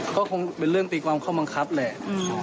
ก็คงเป็นเรื่องตีความข้อบังคับแหละ